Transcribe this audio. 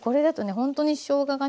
ほんとにしょうががね